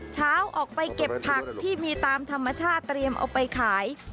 เช้าออกไปเก็บผักที่มีตามธรรมชาติเตรียมเอาไปขาย